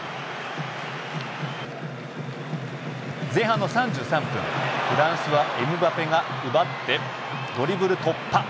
前半の３３分フランスはエムバペが奪ってドリブル突破。